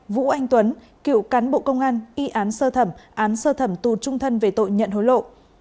vũ anh tuấn cựu cán bộ công an y án sơ thẩm án sơ thẩm tù trung thân về tội nhận hối lộ